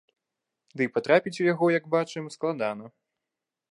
Дый патрапіць у яго, як бачым, складана.